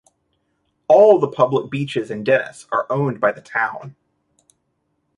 All the public beaches in Dennis are owned by the town.